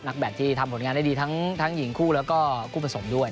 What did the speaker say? แบตที่ทำผลงานได้ดีทั้งหญิงคู่แล้วก็คู่ผสมด้วย